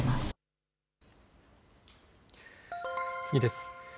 次です。